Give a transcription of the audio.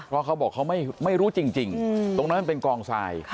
เพราะเขาบอกเขาไม่รู้จริงตรงนั้นมันเป็นกองทราย